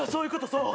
そう。